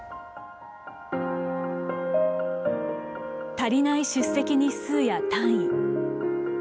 足りない出席日数や単位。